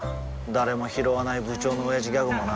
誰もひろわない部長のオヤジギャグもな